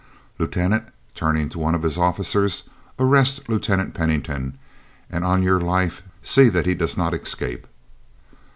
"Lieutenant," turning to one of his officers, "arrest Lieutenant Pennington, and on your life see that he does not escape."